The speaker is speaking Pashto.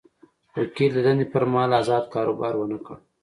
وکیل د دندې پر مهال ازاد کاروبار ونه کړي.